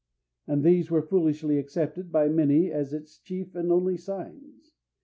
And these were foolishly accepted by many as its chief and only signs.